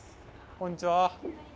こんにちは。